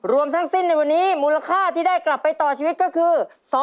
รวมทั้งสิ้นในวันนี้มูลค่าที่ได้กลับไปต่อชีวิตก็คือ